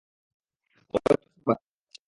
ও একটা স্মার্ট বাচ্চা।